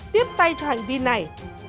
tiếp tay cho hành vi này